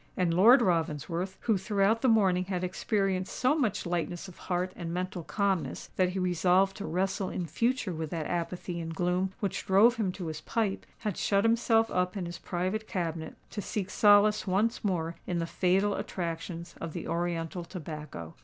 And Lord Ravensworth,—who throughout the morning had experienced so much lightness of heart and mental calmness that he resolved to wrestle in future with that apathy and gloom which drove him to his pipe,—had shut himself up in his private cabinet, to seek solace once more in the fatal attractions of the oriental tobacco.